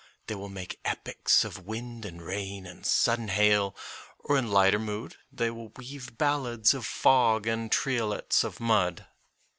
They will make epics of wind and rain and sudden hail, or in lighter mood they will weave ballades of fog and triolets of mud.